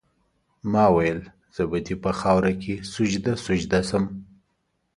ما ویل زه به دي په خاوره کي سجده سجده سم